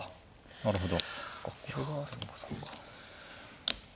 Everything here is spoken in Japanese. なるほど。